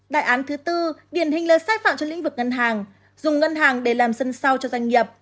đại án thứ tư điển hình là sai phạm trong lĩnh vực ngân hàng dùng ngân hàng để làm sân sao cho doanh nghiệp